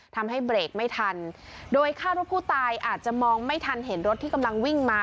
ทำให้เบรกไม่ทันโดยคาดว่าผู้ตายอาจจะมองไม่ทันเห็นรถที่กำลังวิ่งมา